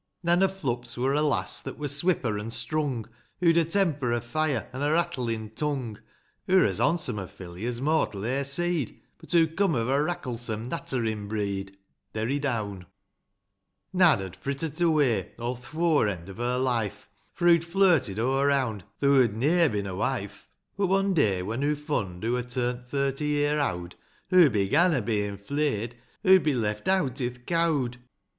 Nan o' Flup's wur a lass that wur swipper an' strung ; Hoo'd a temper o' fire, an' a rattlin' tung ; Hoo're as hondsome a filly as mortal e'er see'd, But hoo coom of a racklesome, natterin' breed. Derry down. HI. Nan had fritter't away o' th' for end of her life, For hoo'd flirted o' round, though hoo'd ne'er bin a wife ; But, one day, when hoo fund hoo're turn't thirty year owd, Hoo began a bein' flayed, hoo'd be left out i'th cowd.